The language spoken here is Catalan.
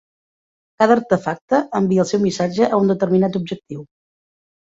Cada artefacte envia el seu missatge a una determinat objectiu.